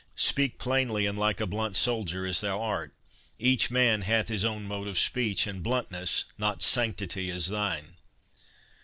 Speak plainly, and like a blunt soldier as thou art. Each man hath his own mode of speech; and bluntness, not sanctity, is thine."